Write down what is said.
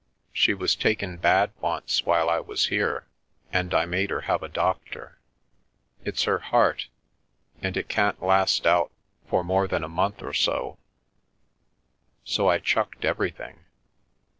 She was taken bad once while I was here, and I made her have a doctor. It's her heart, and it can't last out for more than a month or so. So I chucked everything.